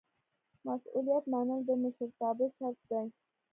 مسؤلیت منل د مشرتابه شرط دی.